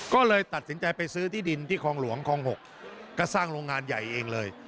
ก็เลยตัดสินใจไปซื้อที่ดินที่คลองหลวงคลอง๖ก็สร้างโรงงานใหญ่เองเลย